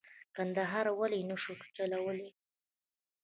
کندهار ولې نه شي چلولای.